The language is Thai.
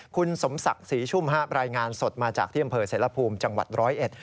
คุณสมศักดิ์ศรีชุ่มฮะรายงานสดมาจากที่อำเภอเสรภูมิจังหวัดร้อยเอ็ด